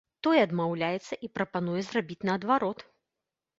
Той адмаўляецца і прапануе зрабіць наадварот.